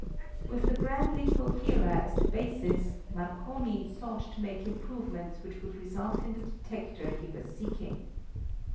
With the Branly coherer as the basis Marconi sought to make improvements which would result in the detector he was seeking.